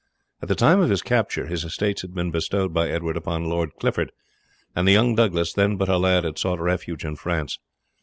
At the time of his capture his estates had been bestowed by Edward upon Lord Clifford, and the young Douglas, then but a lad, had sought refuge in France.